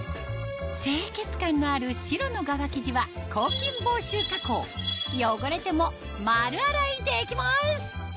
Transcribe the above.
清潔感のある白の側生地は抗菌防臭加工汚れても丸洗いできます